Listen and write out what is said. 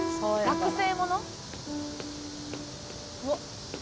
「学生もの？」